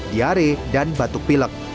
diare dan batuk pilek